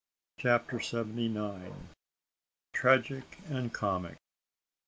CHAPTER SEVENTY NINE. TRAGIC AND COMIC.